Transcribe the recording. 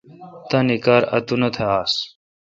تانی کار اتونتھ آس۔